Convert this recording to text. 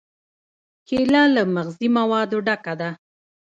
کېله له مغذي موادو ډکه ده.